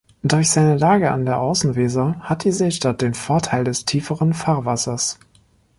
Durch seine Lage an der Außenweser hat die Seestadt den Vorteil des tieferen Fahrwassers.